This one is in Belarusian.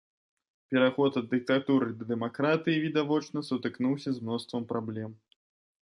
Пераход ад дыктатуры да дэмакратыі, відавочна, сутыкнуўся з мноствам праблем.